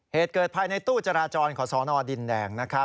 เหตุเกิดภายในตู้จราจรของสนดินแดงนะครับ